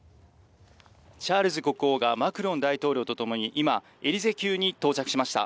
チャールズ国王がマクロン大統領とともに今、エリゼ宮に到着しました。